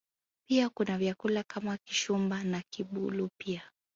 Pia kuna vyakula kama Kishumba na Kibulu pia